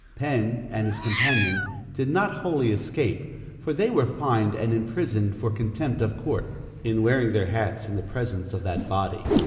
Penn and his companion did not wholly escape, for they were fined and imprisoned for contempt of court, in wearing their hats in the presence of that body.